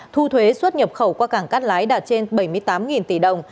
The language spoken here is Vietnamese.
thu thuế xuất nhập khẩu qua cảng cát lái đạt trên bảy mươi tám tỷ đồng